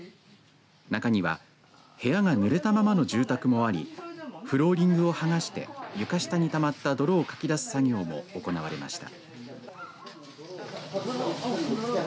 中には部屋がぬれたままの住宅もありフローリングを剥がして床下にたまった泥をかき出す作業も行われました。